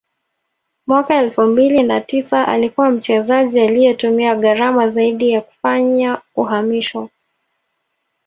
mwaka elfu mbili na tisa alikuwa mchezaji aliye tumia gharama zaidi kufanya uhamisho